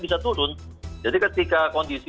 bisa turun jadi ketika kondisi